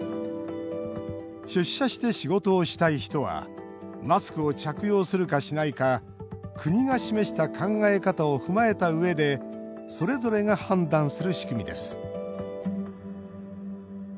出社して仕事をしたい人はマスクを着用するかしないか国が示した考え方を踏まえたうえでそれぞれが判断する仕組みです。